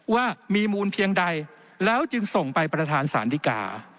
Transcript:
ว่ามีมูลเพียงใดแล้วจึงส่งไปประธานสารดีกา